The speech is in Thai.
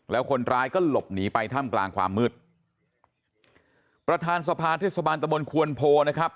แล้วคนร้ายก็หลบหนีไปถ้ำกลางความมืดประธานสภาเทศบาลตะบนควนโพนะครับ